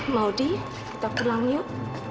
maudie kita pulang yuk